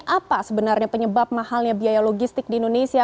apa sebenarnya penyebab mahalnya biaya logistik di indonesia